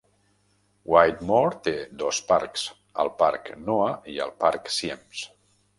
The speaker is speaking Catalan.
Whittemore tes dos parcs, el parc Noah i el parc Siems.